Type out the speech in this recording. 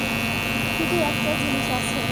শুধু একটা জিনিস আছে।